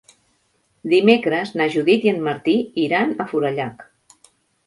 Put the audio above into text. Dimecres na Judit i en Martí iran a Forallac.